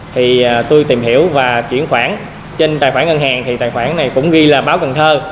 thì tôi tìm hiểu và chuyển khoản trên tài khoản ngân hàng thì tài khoản này cũng ghi là báo cần thơ